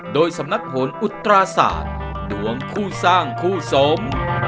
โดยสำนักโหนอุตราศาสตร์ดวงคู่สร้างคู่สม